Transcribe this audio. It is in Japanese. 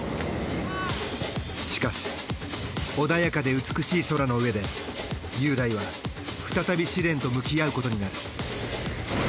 しかし穏やかで美しい空の上で雄大は再び試練と向き合うことになる。